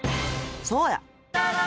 ［そうや］